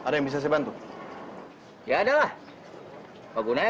lepasin pak randy